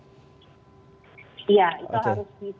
itu harus bisa diakses